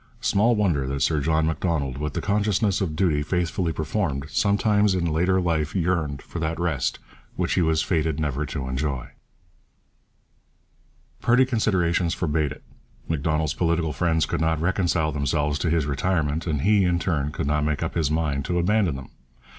Small wonder that Sir John Macdonald, with the consciousness of duty faithfully performed, sometimes in later life yearned for that rest which he was fated never to enjoy. Party considerations forbade it. Macdonald's political friends could not reconcile themselves to his retirement, and he, in turn, could not make up his mind to abandon them.